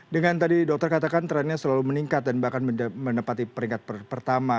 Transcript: dengan tadi dokter katakan trendnya selalu meningkat dan bahkan menepati peringkat pertama